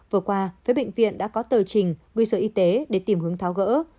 vừa qua phía bệnh viện đã có tờ trình gửi sở y tế để tìm hướng tháo gỡ